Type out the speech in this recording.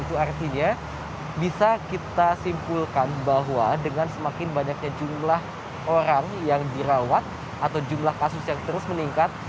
itu artinya bisa kita simpulkan bahwa dengan semakin banyaknya jumlah orang yang dirawat atau jumlah kasus yang terus meningkat